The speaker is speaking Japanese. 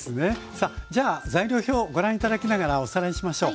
さあじゃあ材料表をご覧頂きながらおさらいしましょう。